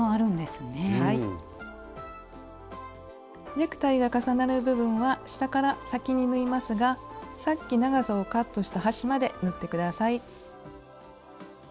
ネクタイが重なる部分は下から先に縫いますがさっき長さをカットした端まで縫って下さい。